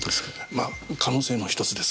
まあ可能性の１つですが。